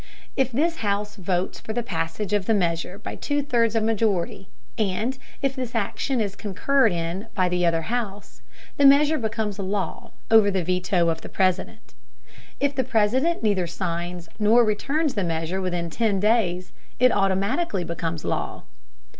If this house votes for the passage of the measure by a two thirds majority, and if this action is concurred in by the other house, the measure becomes law over the veto of the President. If the President neither signs nor returns the measure within ten days, it automatically becomes law.